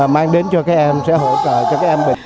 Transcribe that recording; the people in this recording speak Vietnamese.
mang đến cho các em sẽ hỗ trợ cho các em được